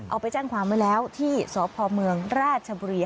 เอาไปแจ้งความไว้แล้วที่สพเมืองราชบุรี